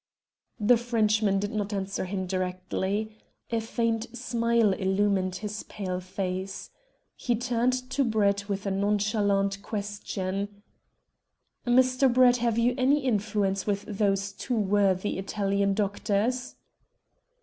The Frenchman did not answer him directly. A faint smile illumined his pale face. He turned to Brett with a nonchalant question "Mr. Brett, have you any influence with those two worthy Italian doctors?"